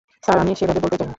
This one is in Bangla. স্যার, আমি সেভাবে বলতে চাইনি।